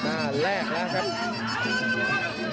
หน้าแรกนะครับ